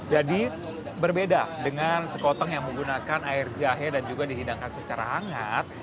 jadi berbeda dengan sekotong yang menggunakan air jahe dan juga dihidangkan secara hangat